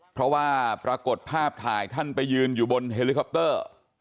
เพราะว่าปรากฏภาพถ่ายท่านไปยืนอยู่บนเฮลิคอปเตอร์